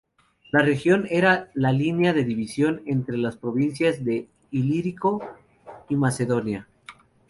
La región era la línea de división entre las provincias de Ilírico y Macedonia.